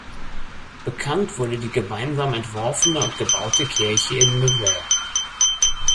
Bekannt wurde die gemeinsam entworfene und gebaute Kirche in Nevers.